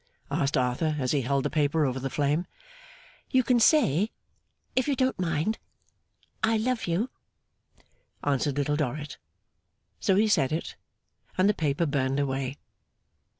asked Arthur, as he held the paper over the flame. 'You can say (if you don't mind) "I love you!"' answered Little Dorrit. So he said it, and the paper burned away.